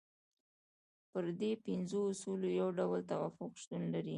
پر دې پنځو اصولو یو ډول توافق شتون لري.